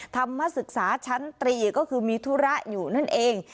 ธรรมศึกษาชั้นตรีก็คือมีธุระอยู่นั่นเอง